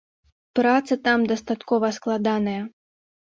Праца там дастаткова складаная.